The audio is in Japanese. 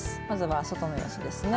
まずは、外の様子です。